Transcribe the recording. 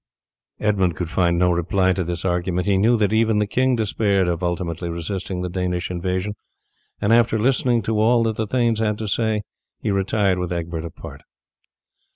Edmund could find no reply to this argument. He knew that even the king despaired of ultimately resisting the Danish invasion, and after listening to all that the thanes had to say he retired with Egbert apart.